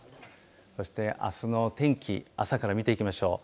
そしてあすの天気、朝から見ていきましょう。